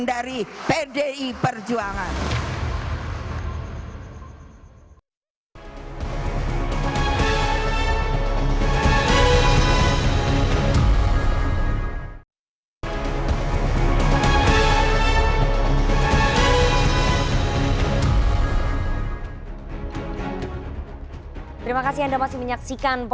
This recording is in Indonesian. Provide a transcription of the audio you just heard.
dari pdi perjuangan